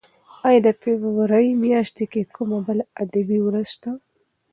ایا د فبرورۍ میاشت کې کومه بله ادبي ورځ شته؟